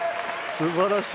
すばらしい。